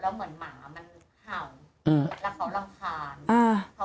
แล้วเขารำคาญ